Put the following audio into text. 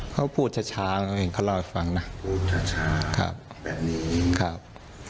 เขาพูดช้าเขาเองเขาเล่าให้ฟังนะพูดช้าครับแบบนี้ครับ